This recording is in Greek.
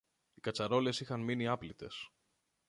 Οι κατσαρόλες είχαν μείνει άπλυτες